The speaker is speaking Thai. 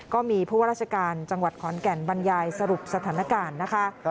ก็มีผู้ว่าราชการจังหวัดขอนแก่นบรรยายสรุปสถานการณ์นะคะ